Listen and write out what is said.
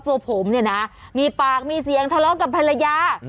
ตัวผมเนี่ยนะมีปากมีเสียงทะเลาะกับภรรยา